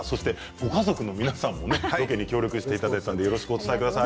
ご家族の皆さんもロケに協力していただいたのでよろしくお伝えください。